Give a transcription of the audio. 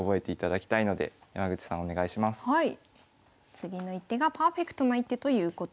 次の一手がパーフェクトな一手ということです。